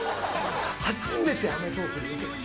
初めて『アメトーーク』出て。